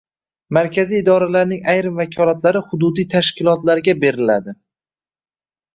Markaziy idoralarning ayrim vakolatlari hududiy tashkilotlarga berilading